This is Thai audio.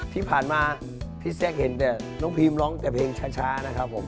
ที่ผ่านมาพี่แซคเห็นแต่น้องพีมร้องแต่เพลงช้านะครับผม